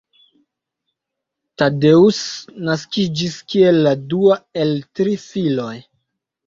Tadeusz naskiĝis kiel la dua el tri filoj.